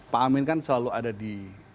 pak amin kan selalu ada di